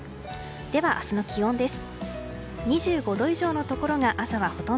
では、明日の気温です。